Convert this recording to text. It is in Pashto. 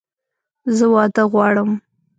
زه واده غواړم!